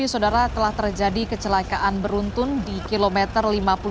saudara telah terjadi kecelakaan beruntun di kilometer lima puluh tujuh